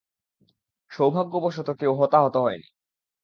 সৌভাগ্যবশত কেউ হতাহত হয় নি।